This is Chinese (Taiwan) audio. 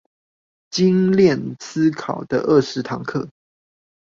精鍊思考的二十堂課